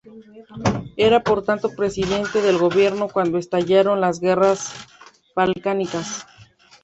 Era por tanto presidente del Gobierno cuando estallaron las guerras balcánicas.